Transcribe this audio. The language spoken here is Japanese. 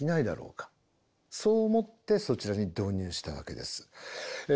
そう思ってそちらに導入したわけです。